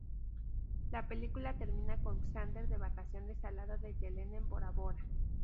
La película termina con Xander de vacaciones al lado de Yelena en Bora Bora.